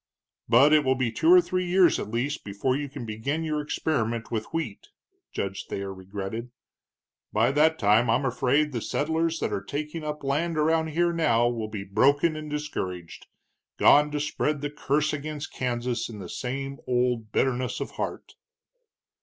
"But it will be two or three years, at least, before you can begin your experiment with wheat," Judge Thayer regretted. "By that time I'm afraid the settlers that are taking up land around here now will be broken and discouraged, gone to spread the curse against Kansas in the same old bitterness of heart."